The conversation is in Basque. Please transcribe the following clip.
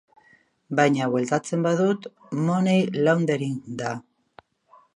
Baina bueltatzen badut, money laundering da.